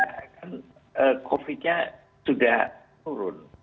karena kan covid nya sudah turun